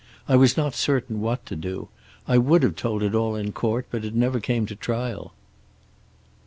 I was not certain what to do. I would have told it all in court, but it never came to trial."